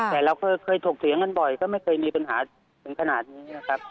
แต่เราเคยถกเถียงกันบ่อยก็ไม่เคยมีปัญหาถึงขนาดนี้นะครับ